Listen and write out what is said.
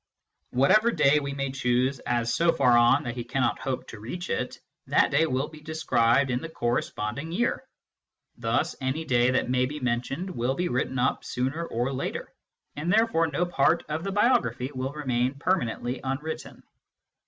Whatever day we may choose as so far on that he cannot hope to reach it, that day will be described in the corresponding year. Thus any day that may be mentioned will be written up sooner or later, and therefore no part of the biography will remain permanently unwritten.